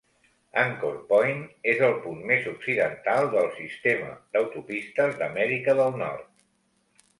Anchor Point és el punt més occidental del sistema d"autopistes d"Amèrica del Nord.